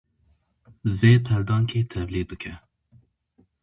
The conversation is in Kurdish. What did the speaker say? Vê peldankê tevlî bike.